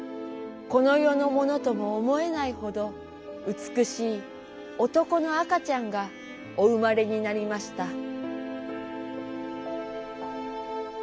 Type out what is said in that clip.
この世のものとも思えないほど美しい男の赤ちゃんがお生まれになりました」。